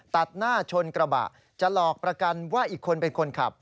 ตัดหน้าชนกระบะจะหลอกประกันว่าอีกคนเป็นคนขับ